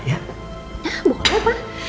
ya boleh pak